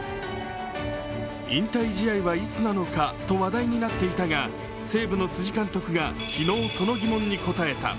引退試合はいつなのかと話題になっていたが西武の辻監督が昨日その疑問に答えた。